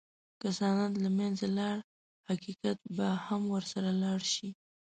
که سند له منځه لاړ، حقیقت به هم ورسره لاړ شي.